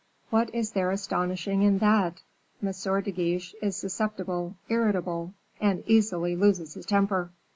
"What is there astonishing in that? M. de Guiche is susceptible, irritable, and easily loses his temper."